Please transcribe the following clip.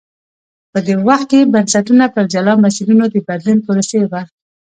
په دې وخت کې بنسټونه پر جلا مسیرونو د بدلون پروسې ووه.